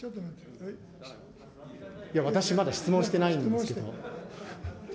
私、まだ質問してないんですけど。